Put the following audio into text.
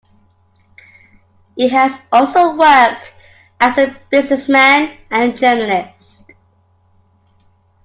He has also worked as a businessman and journalist.